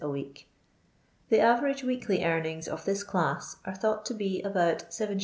a week. Tho average weekly* e.imings of thb class are thought to be about 7 jr.